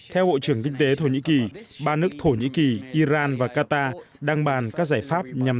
theo bộ trưởng kinh tế thổ nhĩ kỳ ba nước thổ nhĩ kỳ iran và qatar đang bàn các giải pháp nhằm